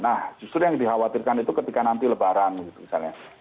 nah justru yang dikhawatirkan itu ketika nanti lebaran gitu misalnya